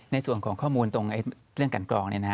ในส่วนของข้อมูลตรงเรื่องกันกรอง